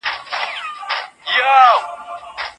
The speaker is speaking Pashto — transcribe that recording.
پلور ډېر شو.